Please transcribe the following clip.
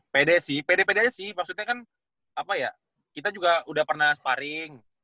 pede sih pede pede aja sih maksudnya kan apa ya kita juga udah pernah sparring